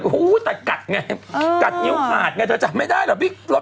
หู้แต่กัดไงเอ่อกัดงิ้วขาดไงเธอจำไม่ได้เหรอพี่รถพิเตย